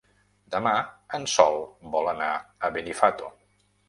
Demà en Sol vol anar a Benifato.